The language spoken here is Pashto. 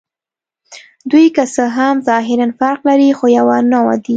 دوی که څه هم ظاهراً فرق لري، خو یوه نوعه دي.